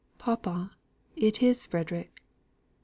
"Papa, it is Frederick!